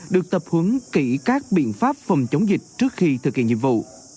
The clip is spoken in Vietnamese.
được tập huấn kỹ các biện pháp phòng chống dịch trước khi thực hiện nhiệm vụ